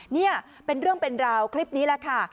นี่เป็นเรื่องเป็นราวคลิปนี้แหละค่ะ